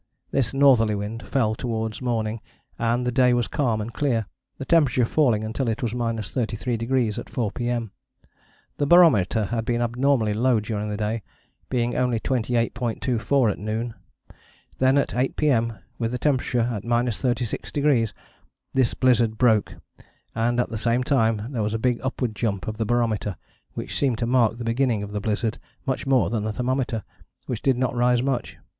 This northerly wind fell towards morning, and the day was calm and clear, the temperature falling until it was 33° at 4 P.M. The barometer had been abnormally low during the day, being only 28.24 at noon. Then at 8 P.M. with the temperature at 36°, this blizzard broke, and at the same time there was a big upward jump of the barometer, which seemed to mark the beginning of the blizzard much more than the thermometer, which did not rise much.